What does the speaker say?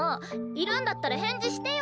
いるんだったら返事してよ！